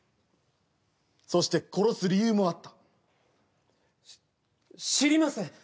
そして殺す理由もあったし知りません